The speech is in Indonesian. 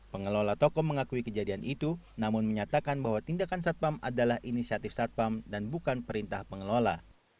pengelola toko mengakui kejadian itu namun menyatakan bahwa tindakan satpam adalah inisiatif satpam dan bukan perintah pengelola